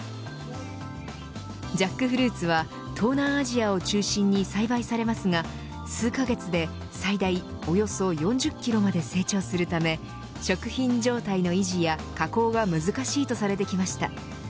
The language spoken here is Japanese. ジャックフルーツは東南アジアを中心に栽培されますが数カ月で最大およそ４０キロまで成長するため食品状態の維持や加工が難しいとされてきました。